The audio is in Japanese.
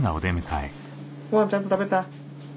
ごはんちゃんと食べた？